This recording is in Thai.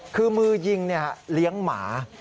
คือมือยิงเลี้ยงหมา